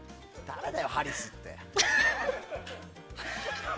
誰だよ、ハリスって。